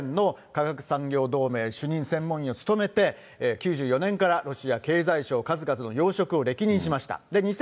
そして旧ソ連の科学産業同盟主任専門医を務めて、９４年からロシア経済省、数々の要職を歴任しました。